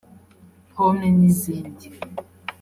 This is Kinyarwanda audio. pomme n’izindi